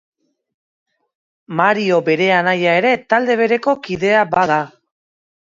Mario bere anaia ere talde bereko kidea bada.